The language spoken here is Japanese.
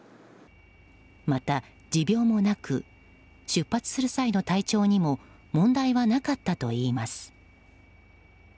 また、持病もなく出発する際の体調にも問題はなかったといいます。